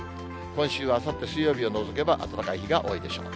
今週、あさって水曜日を除けば、暖かい日が多いでしょう。